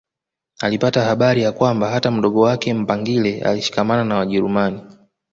Alipata habari ya kwamba hata mdogo wake Mpangile alishikamana na Wajerumani